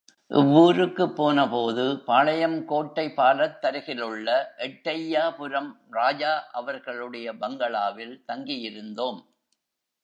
இவ்வூருக்குப் போனபோது, பாளையங்கோட்டை பாலத்தருகிலுள்ள எட்டையாபுரம் ராஜா அவர்களுடைய பங்களாவில் தங்கியிருந்தோம்.